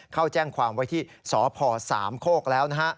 เข้าแจ้งความไว้ที่สพสามโคกแล้วนะฮะ